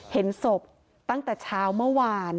เห็นศพตั้งแต่เช้าเมื่อวาน